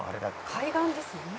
「海岸ですね」